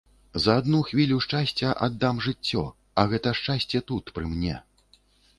Я за адну хвілю шчасця аддам жыццё, а гэта шчасце тут, пры мне.